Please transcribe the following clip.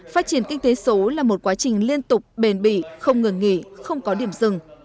phát triển kinh tế số là một quá trình liên tục bền bỉ không ngừng nghỉ không có điểm dừng